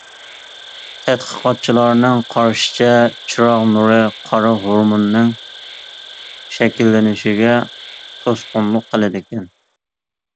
تەتقىقاتچىلارنىڭ قارىشىچە، چىراغ نۇرى قارا ھورمۇننىڭ شەكىللىنىشىگە توسقۇنلۇق قىلىدىكەن.